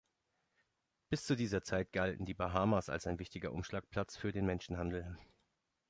Bis zu dieser Zeit galten die Bahamas als ein wichtiger Umschlagplatz für den Menschenhandel.